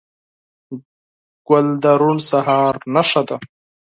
ګل د روڼ سهار نښه ده.